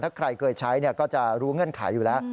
ถ้าใครเคยใช้ก็จะรู้เงื่อนไขอยู่แล้ว